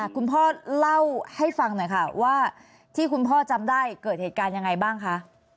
คุณพ่อเล่าให้ฟังหน่อยค่ะว่าที่คุณพ่อจำได้เกิดเหตุการณ์ยังไงบ้างคะ